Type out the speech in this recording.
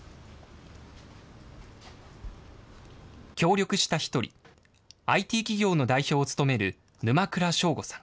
協力した一人、ＩＴ企業の代表を務める沼倉正吾さん。